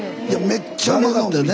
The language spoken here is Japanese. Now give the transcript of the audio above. めっちゃうまかったよね。